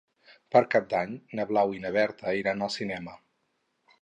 Per Cap d'Any na Blau i na Berta iran al cinema.